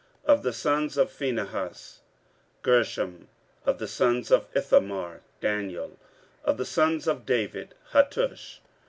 15:008:002 Of the sons of Phinehas; Gershom: of the sons of Ithamar; Daniel: of the sons of David; Hattush.